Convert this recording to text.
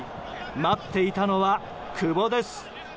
待っていたのは、久保です。